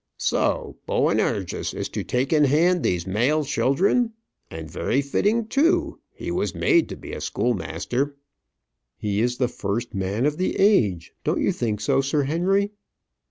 "So Boanerges is to take in hand these male children? And very fitting, too; he was made to be a schoolmaster." "He is the first man of the age; don't you think so, Sir Henry?"